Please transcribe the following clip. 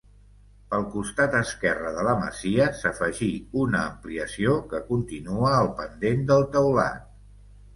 Pel costat esquerre de la masia s'afegí una ampliació que continua el pendent del teulat.